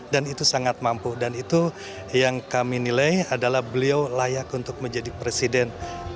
dan itu sangat mampu dan itu yang kami nilai adalah beliau layak untuk menjadi presiden